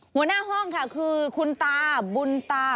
หัวหน้าห้องค่ะคือคุณตาบุญตา